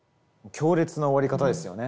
強烈な終わり方ですよね。